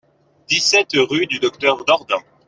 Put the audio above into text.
dix-sept rue du Docteur Dordain